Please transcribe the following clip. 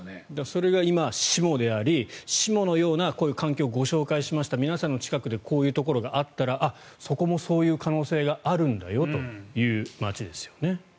それが今、志茂であり志茂のようなこういう環境をご紹介しました皆さんの近くでこういうところがあったらそこもそういう可能性があるんだよという街ですよね。